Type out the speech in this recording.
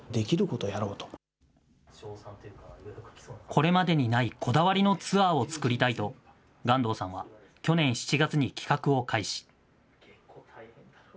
これまでにないこだわりのツアーを作りたいと、巖洞さんは、去年７月に企画を開始。